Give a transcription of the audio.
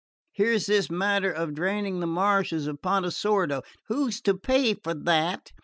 Here's this matter of draining the marshes at Pontesordo. Who's to pay for that?